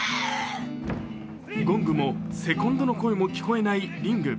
ゴングもセコンドの声も聞こえないリング。